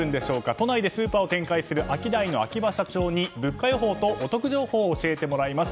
都内でスーパーを展開するアキダイの秋葉社長に物価予報とお得情報を教えてもらいます。